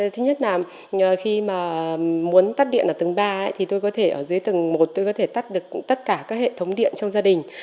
thứ nhất là khi mà muốn tắt điện ở tầng ba thì tôi có thể ở dưới tầng một tôi có thể tắt được tất cả các hệ thống điện trong gia đình